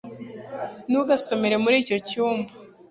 ntugasomere muri icyo cyumba